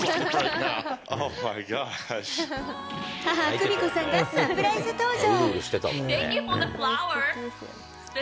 母、久美子さんがサプライズ登場。